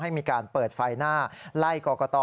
ให้มีการเปิดไฟหน้าไล่กรกต